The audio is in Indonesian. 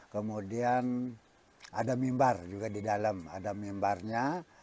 kemudian ada mimbar juga di dalam ada mimbarnya